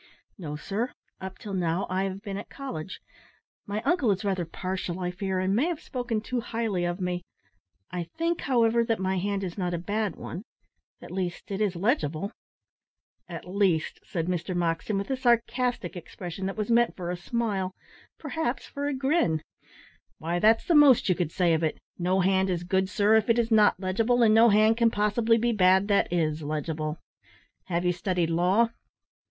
"No, sir. Up till now I have been at college. My uncle is rather partial, I fear, and may have spoken too highly of me. I think, however, that my hand is not a bad one. At least it is legible." "At least!" said Mr Moxton, with a sarcastic expression that was meant for smile, perhaps for a grin. "Why, that's the most you could say of it. No hand is good, sir, if it is not legible, and no hand can possibly be bad that is legible. Have you studied law?"